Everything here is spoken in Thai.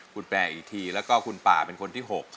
คุณแปลอีกทีแล้วก็คุณป่าเป็นคนที่๖